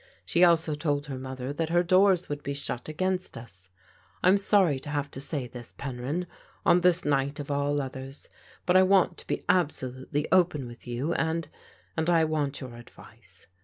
She also told her mother that her doors would be shut against us. I'm sorry to have to say this, Penryn, on this night of all others; but I want to be absolutely open with you, and — and I want your advice.